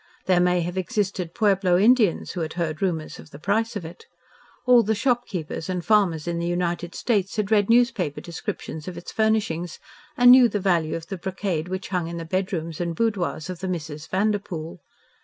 There may have existed Pueblo Indians who had heard rumours of the price of it. All the shop keepers and farmers in the United States had read newspaper descriptions of its furnishings and knew the value of the brocade which hung in the bedrooms and boudoirs of the Misses Vanderpoel.